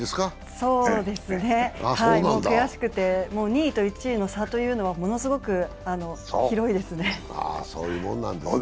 そうですね、もう悔しくて２位と１位の差というのはものすごく広いですね。